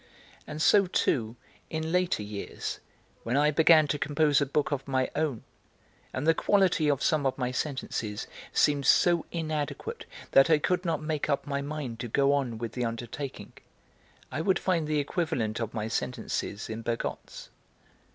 And so too, in later years, when I began to compose a book of my own, and the quality of some of my sentences seemed so inadequate that I could not make up my mind to go on with the undertaking, I would find the equivalent of my sentences in Bergotte's.